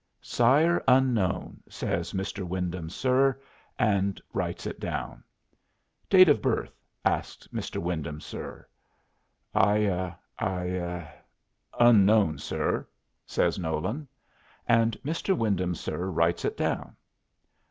"Sire unknown," says "Mr. Wyndham, sir," and writes it down. "Date of birth?" asks "Mr. Wyndham, sir." "I I unknown, sir," says Nolan. And "Mr. Wyndham, sir," writes it down.